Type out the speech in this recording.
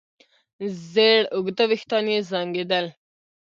زېړ اوږده وېښتان يې زانګېدل.